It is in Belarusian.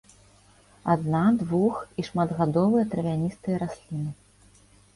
Адна-, двух- і шматгадовыя травяністыя расліны.